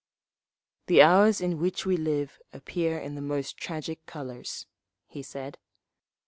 "The hours in which we live appear in the most tragic colours," he said.